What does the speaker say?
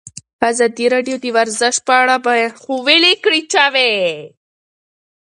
ازادي راډیو د ورزش په اړه د سیاستوالو دریځ بیان کړی.